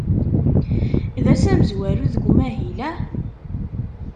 D ass amezwaru deg umahil, ah?